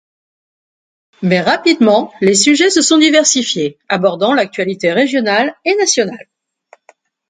Mais rapidement, les sujets se sont diversifiés, abordant l'actualité régionale et nationale.